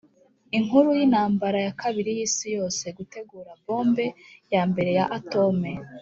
inkuru y'intambara ya kabiri y'isi yose: gutegura bombe ya mbere ya atome